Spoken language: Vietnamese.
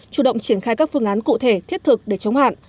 chủ động triển khai các phương án cụ thể thiết thực để chống hạn